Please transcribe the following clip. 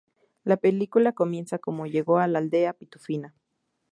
La película comienza cómo llegó a la aldea Pitufina.